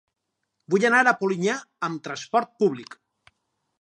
Vull anar a Polinyà amb trasport públic.